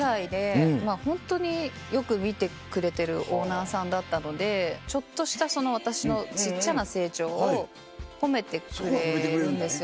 まぁホントによく見てくれてるオーナーさんだったのでちょっとした私の小っちゃな成長を褒めてくれるんですよ。